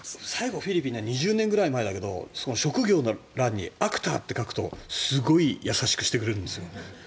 フィリピン２０年ぐらい前だけど職業の欄にアクターって書くとすごい優しくしてくれるんです。